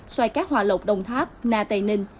xoài cá hoa lộc đồng tháp nà tây ninh